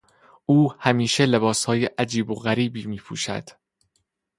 او همیشه لباسهای عجیب و غریبی میپوشد.